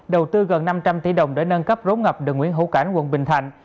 đầu tư gần năm trăm linh tỷ đồng để nâng cấp rốm ngập đường nguyễn hữu cảnh quận bình thạnh